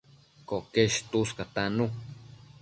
Coquesh tuscatannu